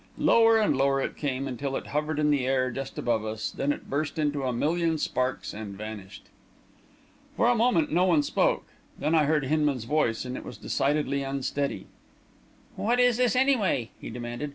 Lower and lower it came, until it hovered in the air just above us; then it burst into a million sparks and vanished. For a moment, no one spoke; then I heard Hinman's voice, and it was decidedly unsteady. "What is this, anyway?" he demanded.